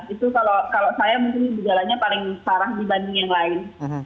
itu kalau saya mungkin gejalanya paling parah dibanding yang lain